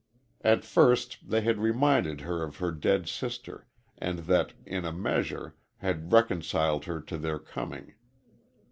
At first they had reminded her of her dead sister, and that, in a measure, had reconciled her to their coming.